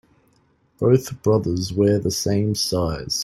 Both brothers wear the same size.